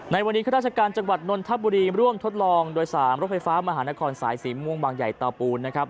ในวันนี้ข้าราชการจังหวัดนนทบุรีร่วมทดลองโดย๓รถไฟฟ้ามหานครสายสีม่วงบางใหญ่เตาปูนนะครับ